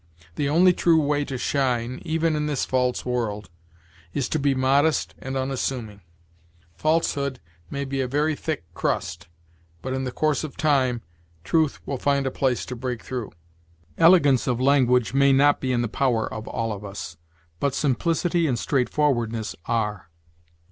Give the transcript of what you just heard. The only true way to shine, even in this false world, is to be modest and unassuming. Falsehood may be a very thick crust, but, in the course of time, truth will find a place to break through. Elegance of language may not be in the power of all of us; but simplicity and straightforwardness are.